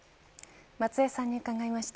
松江さんに伺いました。